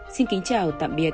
xin kính chào tạm biệt